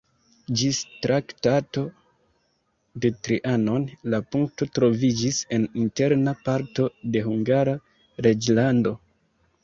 Ĝis Traktato de Trianon la punkto troviĝis en interna parto de Hungara reĝlando.